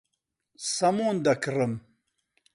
سەمون دەکڕم.